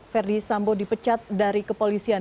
verdi sambo dipecat dari kepolisian